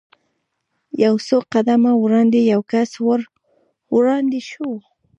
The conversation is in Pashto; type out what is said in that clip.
یو څو قدمه وړاندې یو کس ور وړاندې شو.